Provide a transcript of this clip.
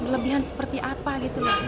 kelebihan seperti apa gitu loh